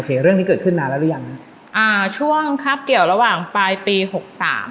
เรื่องนี้เกิดขึ้นนานแล้วหรือยังฮะอ่าช่วงครับเกี่ยวระหว่างปลายปีหกสาม